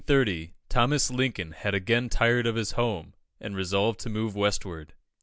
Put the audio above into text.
In 1830, Thomas Lincoln had again tired of his home, and resolved to move Westward.